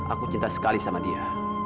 aku cinta sekali sama dia